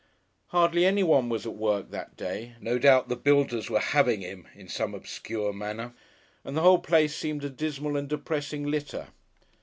Hardly anyone was at work that day no doubt the builders were having him in some obscure manner and the whole place seemed a dismal and depressing litter.